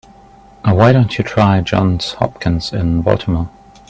Why don't you try Johns Hopkins in Baltimore?